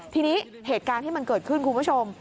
ทีนี้เหตุการณ์ที่มันเกิดขึ้นคุณผู้ชม